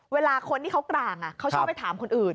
เวลาคนที่เขากลางเขาชอบไปถามคนอื่น